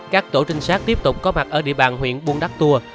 các tổ trinh sát tiếp tục có mặt ở địa bàn huyện buôn đắc tour